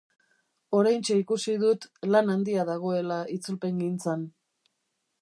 Oraintxe ikusi dut lan handia dagoela itzulpengintzan.